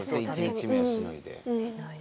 １日目をしのいで。